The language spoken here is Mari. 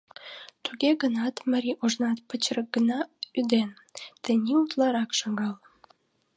Туге гынат марий ожнат пычырик гына ӱден, тений утларак шагал.